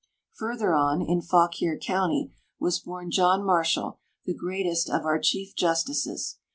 FurtheH' on, in Fauquier county, was born John Marshall, the greatest of our Chief Justices.